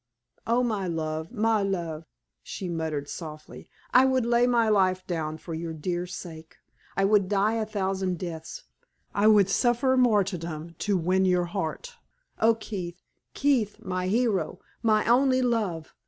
"Oh, my love! my love!" she murmured, softly. "I would lay my life down for your dear sake! I would die a thousand deaths I would suffer martyrdom to win your heart! Oh, Keith! Keith! my hero, my only love!